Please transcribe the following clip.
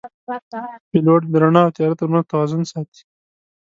پیلوټ د رڼا او تیاره ترمنځ توازن ساتي.